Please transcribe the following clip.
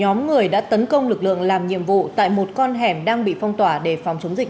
nhóm người đã tấn công lực lượng làm nhiệm vụ tại một con hẻm đang bị phong tỏa để phòng chống dịch